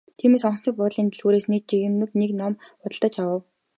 Тиймээс онгоцны буудлын дэлгүүрээс нэг жигнэмэг нэг ном худалдаж авав.